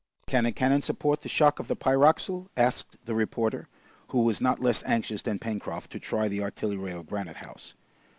"Can the cannon support the shock of the pyroxyle?" asked the reporter, who was not less anxious than Pencroft to try the artillery of Granite House.